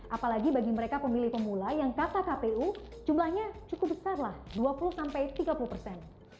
apalagi bagi mereka pemilih pemula yang kata kpu jumlahnya cukup besar lah dua puluh sampai tiga puluh persen